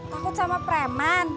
takut sama preman